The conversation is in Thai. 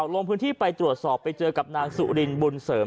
ลงพื้นที่ไปตรวจสอบไปเจอกับนางสุรินบุญเสริม